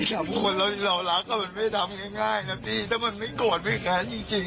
ทั้งคนเราเรารักมันไม่ได้ทำง่ายง่ายนะพี่ถ้ามันไม่โกรธไม่แข็งจริงจริงอ่ะ